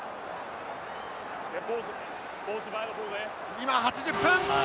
今８０分！